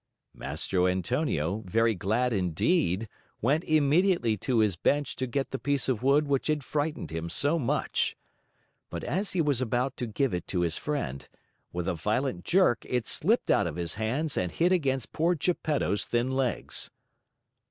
Mastro Antonio, very glad indeed, went immediately to his bench to get the piece of wood which had frightened him so much. But as he was about to give it to his friend, with a violent jerk it slipped out of his hands and hit against poor Geppetto's thin legs.